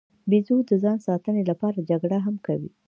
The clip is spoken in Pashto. بیزو د ځان ساتنې لپاره جګړه هم کوي.